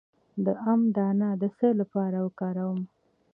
د ام دانه د څه لپاره وکاروم؟